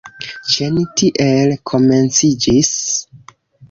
Ĉe ni tiel komenciĝis.